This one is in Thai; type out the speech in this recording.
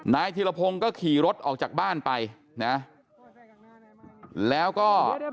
ธิรพงศ์ก็ขี่รถออกจากบ้านไปนะแล้วก็